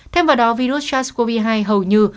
thêm vào đó virus sars cov hai hầu như